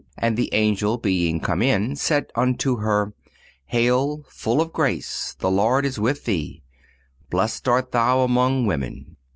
And the Angel being come in said unto her: Hail, full of grace, the Lord is with thee; blessed art thou among women.